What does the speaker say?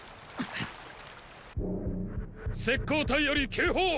斥候隊より急報！